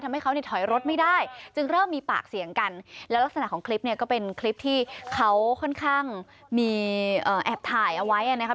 ทำให้เขาเนี่ยถอยรถไม่ได้จึงเริ่มมีปากเสียงกันแล้วลักษณะของคลิปเนี่ยก็เป็นคลิปที่เขาค่อนข้างมีแอบถ่ายเอาไว้อ่ะนะคะ